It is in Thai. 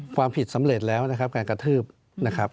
ความผิดสำเร็จแล้วนะครับการกระทืบนะครับ